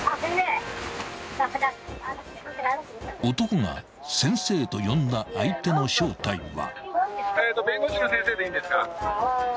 ［男が「先生」と呼んだ相手の正体は］